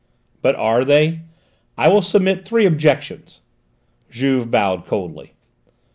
But are they? I will submit three objections." Juve bowed coldly.